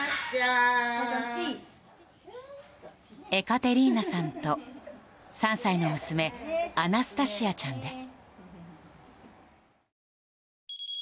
エカテリーナさんと３歳の娘アナスタシアちゃんです。